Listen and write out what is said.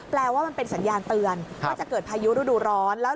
แปลว่ามันเป็นสัญญาณเตือนเขาก็จะเกิดพายุฤดูร้อนล่ะ